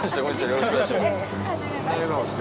よろしくお願いします。